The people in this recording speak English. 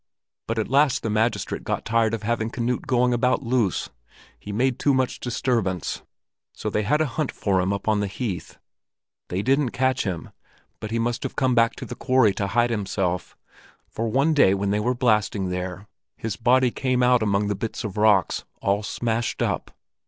But at last the magistrate got tired of having Knut going about loose; he made too much disturbance. So they had a hunt for him up on the heath. They didn't catch him, but he must have come back to the quarry to hide himself, for one day when they were blasting there, his body came out among the bits of rock, all smashed up.